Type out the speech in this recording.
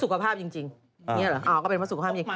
อ๋อก็เป็นเพราะสุขภาพจริง